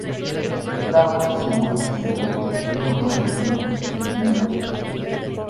Rabban, según los historiadores, era un nombre oriundo de su línea materna.